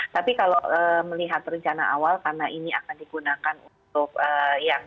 tapi kalau melihat rencana awal karena ini akan digunakan untuk yang